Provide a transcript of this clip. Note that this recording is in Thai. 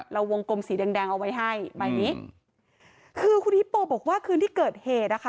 วงกลมสีแดงแดงเอาไว้ให้ใบนี้คือคุณฮิปโปบอกว่าคืนที่เกิดเหตุนะคะ